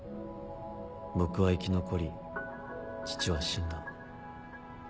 僕は生き残り父は死んだ。